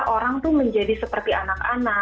orang tuh menjadi seperti anak anak